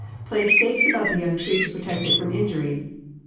Place stakes about the young tree to protect it from injury.